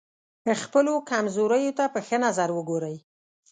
خپلو کمزوریو ته په ښه نظر وګورئ.